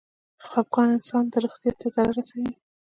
خپګان انسان د روغتيا ته ضرر رسوي.